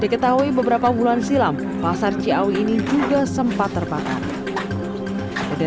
diketahui beberapa bulan silam pasar ciawi ini juga sempat terbakar di pasar ciawi ini juga sempat terbakar di pasar ciawi ini juga sepanjang juta tahun ini